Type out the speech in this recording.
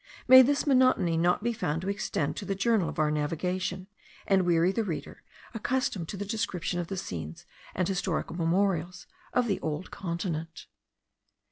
May this monotony not be found to extend to the journal of our navigation, and weary the reader accustomed to the description of the scenes and historical memorials of the old continent!